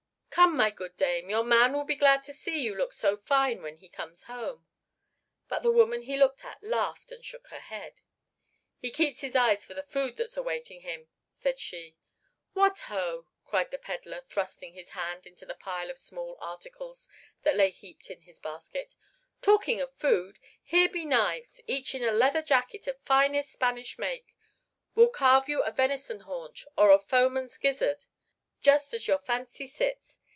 Come, my good dame, your man will be glad to see you look so fine when he comes home." But the woman he looked at laughed and shook her head. "He keeps his eyes for the food that's awaiting him," said she. "What ho!" cried the pedler, thrusting his hand into the pile of small articles that lay heaped in his basket. "Talking of food, here be knives, each in a leather jacket of finest Spanish make, will carve you a venison haunch or a foeman's gizzard, just as your fancy sits.